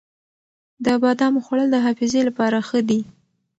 د بادامو خوړل د حافظې لپاره ښه دي.